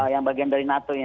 yang bagian dari nato ini